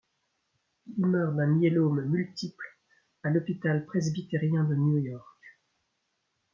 Il meurt d'un myélome multiple à l'hôpital presbytérien de New York.